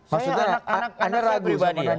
maksudnya ada ragu sama raditya